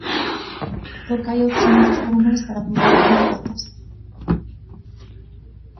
Porque hai outras moitas fórmulas para poder poñer cotas.